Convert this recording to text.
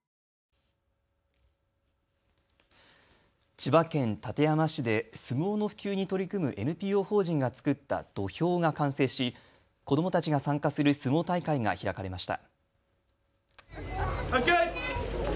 千葉県館山市で相撲の普及に取り組むＮＰＯ法人が作った土俵が完成し子どもたちが参加する相撲大会が開かれました。